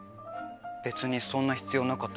別にそんな必要なかったから。